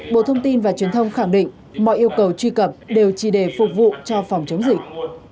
bộ thông tin và truyền thông khẳng định mọi yêu cầu truy cập đều chỉ để phục vụ cho phòng chống dịch